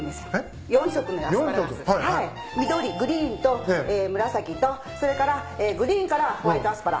緑グリーンと紫とそれからグリーンからホワイトアスパラ。